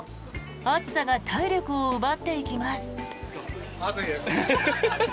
暑さが体力を奪っていきます。